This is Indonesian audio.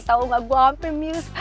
tau gak gue hampir miris